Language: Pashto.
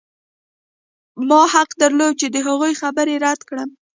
ما حق درلود چې د هغوی خبره رد کړم